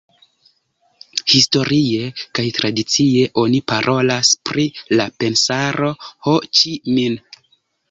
Historie kaj tradicie oni parolas pri la Pensaro Ho Ĉi Minh.